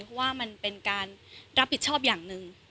เพราะว่ามันเป็นการรับผิดชอบอย่างหนึ่ง